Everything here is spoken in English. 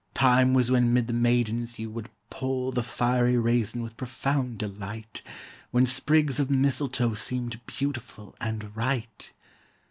Time was when 'mid the maidens you would pull The fiery raisin with profound delight; When sprigs of mistletoe seemed beautiful And right.